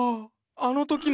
あの時の！